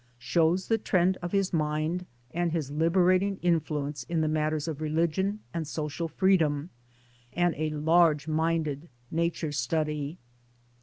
shows the trend of his mind and his liberating influence in the matters of religion and social freedom and a large minded Nature study.